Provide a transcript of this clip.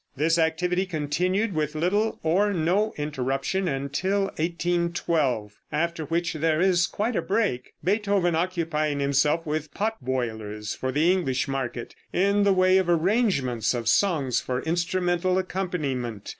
This activity continued with little or no interruption until 1812, after which there is quite a break, Beethoven occupying himself with pot boilers for the English market, in the way of arrangements of songs for instrumental accompaniment.